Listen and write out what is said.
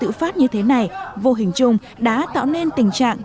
những đoàn cứu trợ như thế này vô hình chung đã tạo nên tình trạng